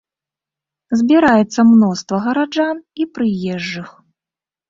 Збіраецца мноства гараджан і прыезджых.